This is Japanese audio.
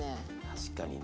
確かにね。